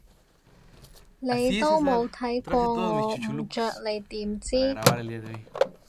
你都冇睇過我唔着你點知？